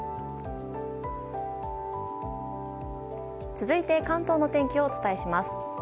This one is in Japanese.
続いて、関東の天気をお伝えします。